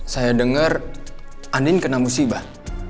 saya dengar andin kena musibah